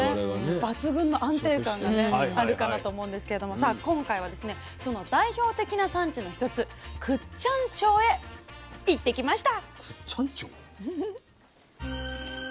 抜群の安定感がねあるかなと思うんですけれどもさあ今回はですねその代表的な産地の一つ倶知安町へ行ってきました。